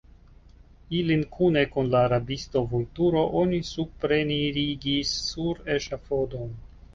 Ilin kune kun la rabisto Vulturo oni suprenirigis sur eŝafodon.